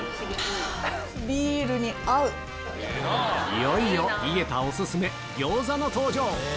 いよいよ井桁オススメ餃子の登場！